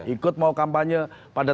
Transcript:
ikut mau kampanye pada